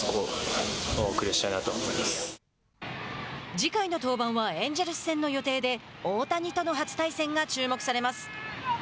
次回の登板はエンジェルス戦の予定で、大谷との初対戦が注目されます。